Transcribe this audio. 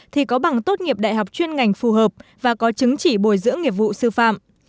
thì có bằng tốt nghiệp đại học chuyên ngành phù hợp và có chứng chỉ bồi dưỡng nghiệp vụ sư phạm